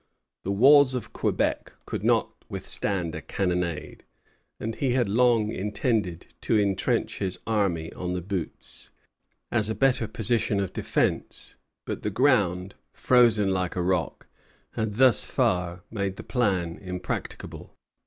The walls of Quebec could not withstand a cannonade, and he had long intended to intrench his army on the Buttes, as a better position of defence; but the ground, frozen like a rock, had thus far made the plan impracticable.